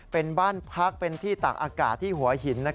เป็นบ้านพักเป็นที่ตากอากาศที่หัวหิน